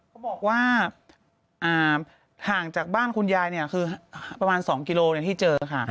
เขาบอกว่าห่างจากบ้านคุณยายคือประมาณ๒กิโลที่เจอค่ะ